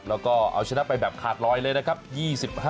แล้วก็เอาชนะไปแบบขาดลอยเลยนะครับ